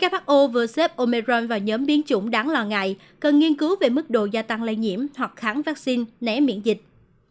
who vừa xếp omer vào nhóm biến chủng đáng lo ngại cần nghiên cứu về mức độ gia tăng lây nhiễm hoặc kháng vaccine né miễn dịch